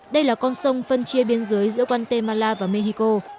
đây là con sông phân chia biên giới giữa guatemala và mexico